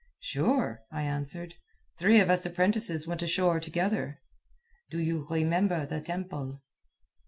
"Sure," I answered. "Three of us apprentices went ashore together." "Do you remember the temple?"